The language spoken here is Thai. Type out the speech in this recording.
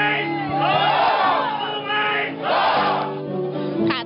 ถูกเสือถูกไหมถูก